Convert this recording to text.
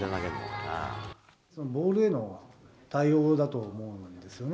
ボールへの対応だと思うんですよね。